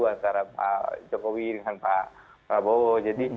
antara pak jokowi dengan pak prabowo